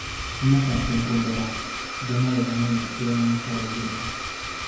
Una canción rumbera, llena de buena energía y mucha alegría.